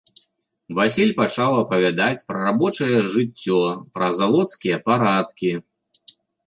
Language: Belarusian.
Васіль пачаў апавядаць пра рабочае жыццё, пра заводскія парадкі.